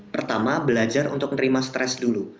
pertama belajar untuk menerima stres dulu